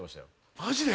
マジで？